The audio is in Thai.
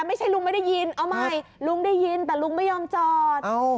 ไม่ใช่ลุงไม่ได้ยินเอาใหม่ลุงได้ยินแต่ลุงไม่ยอมจอด